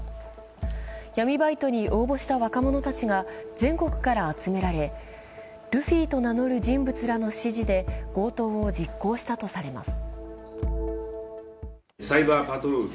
闇バイトに応募した若者たちが全国から集められルフィと名乗る人物たちの指示で強盗を実行したとされます。